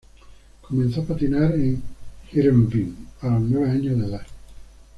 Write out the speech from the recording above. Comenzó a patinar en Heerenveen a los nueve años de edad.